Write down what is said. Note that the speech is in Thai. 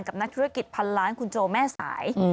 นักธุรกิจพันล้านคุณโจแม่สาย